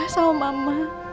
tante sudah menyesal sama putri